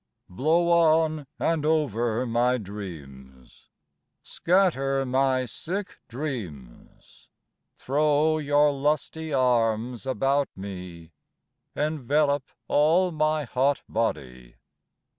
Blow on and over my dreams... Scatter my sick dreams... Throw your lusty arms about me... Envelop all my hot body...